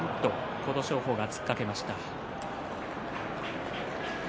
琴勝峰が突っかけました。